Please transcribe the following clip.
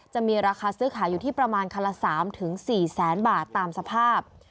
จะมีราคาซื้อขายอยู่ที่ประมาณคันละ๓๔แสนบาทตามสภาพ